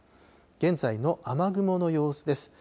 現在の雨雲の様子です。